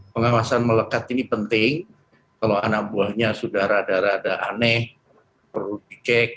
pengawasan melekat ini penting kalau anak buahnya sudah rada rada aneh perlu dicek